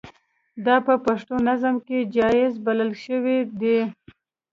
دا په پښتو نظم کې جائز بلل شوي دي.